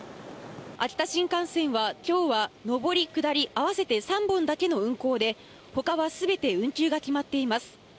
秋田新幹線は、きょうは上り下り合わせて３本だけの運行で、他は全て運休が決まっています。